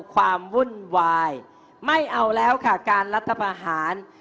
ความวุ่นวายไม่เอาแล้วค่ะการรัฐประหาร